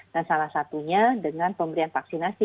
dan salah satunya dengan pemberian vaksinasi